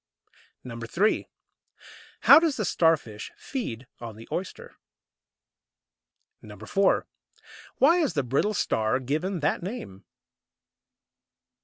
3. How does the Starfish feed on the oyster? 4. Why is the Brittle Star given that name?